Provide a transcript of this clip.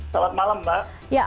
selamat malam mbak